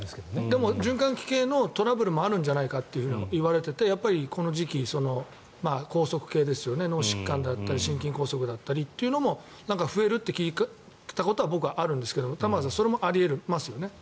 でも循環器系のトラブルもあるんじゃないかといわれていてやっぱりこの時期梗塞系ですよね、脳疾患だったり心筋梗塞だったりというのも増えるって聞いたことが僕はあるんですけど玉川さんそれもあり得ますよね。